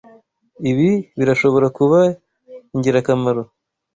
Ibi birashobora kuba ingirakamaro.